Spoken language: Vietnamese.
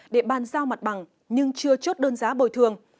để bàn giao mặt bằng nhưng chưa chốt đơn giá bồi thường